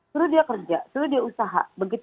lalu dia kerja lalu dia usaha